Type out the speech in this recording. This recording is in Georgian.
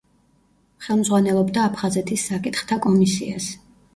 ხელმძღვანელობდა აფხაზეთის საკითხთა კომისიას.